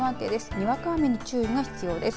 にわか雨に注意が必要です。